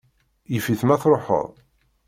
Yif-it ma tṛuḥeḍ.